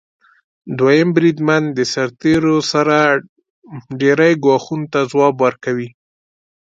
دویم بریدمن د سرتیرو سره ډیری ګواښونو ته ځواب ورکوي.